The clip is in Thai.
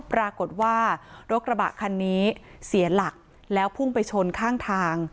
ปรากฏว่ารถกระบะคันนี้เสียหลักแล้วพุ่งไปชนข้างทาง